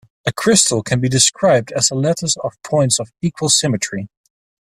A crystal can be described as a lattice of points of equal symmetry.